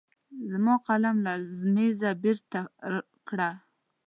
زما قلم له مېزه بېرته کړه.